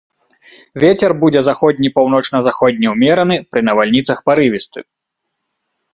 Вецер будзе заходні, паўночна-заходні ўмераны, пры навальніцах парывісты.